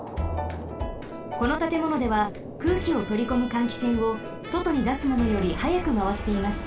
このたてものでは空気をとりこむ換気扇をそとにだすものよりはやくまわしています。